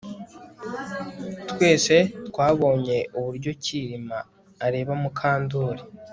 Twese twabonye uburyo Kirima areba Mukandoli